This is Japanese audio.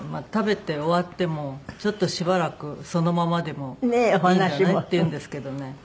「食べて終わってもちょっとしばらくそのままでもいいんじゃない？」って言うんですけどね